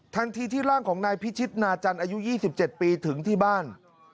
ทันทีที่ร่างของนายพิชิตนาจันทร์อายุ๒๗ปีถึงที่บ้าน